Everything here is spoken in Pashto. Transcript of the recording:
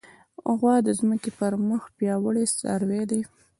غوا د ځمکې پر مخ یو پیاوړی څاروی دی.